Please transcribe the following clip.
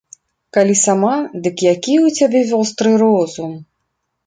Калі сама, дык які ў цябе востры розум!